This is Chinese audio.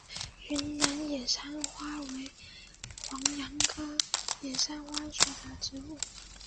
云南野扇花为黄杨科野扇花属的植物。